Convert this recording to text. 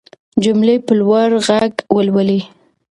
جملې په لوړ غږ ولولئ.